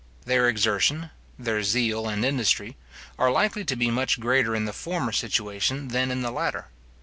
Their exertion, their zeal and industry, are likely to be much greater in the former situation than in the latter.